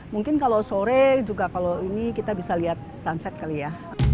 mungkin kalau sore juga kalau ini kita bisa lihat sunset kali ya